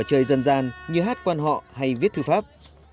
trò chơi dần dàn như hát quan họ hay viết thư pháp